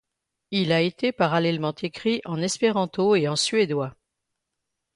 Il a été parallèlement écrit en espéranto et en suédois.